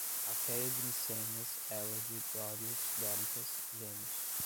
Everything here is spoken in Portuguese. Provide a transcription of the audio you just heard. Aqueia de Micenas, Hélade, dórios, dóricas, genos